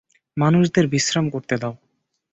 মানুষদের বিশ্রাম করতে দাও।